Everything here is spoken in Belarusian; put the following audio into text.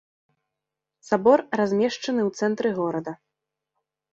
Сабор размешчаны ў цэнтры горада.